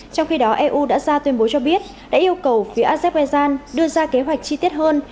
trong khi đó eu đã ra tuyên bố cho biết đã yêu cầu phía azerbaijan đưa ra kế hoạch chi tiết hơn